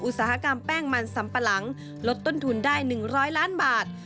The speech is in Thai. อุตสาหกรรมแป้งมันสำปะหลังลดต้นทุนได้๑๐๐ล้านบาท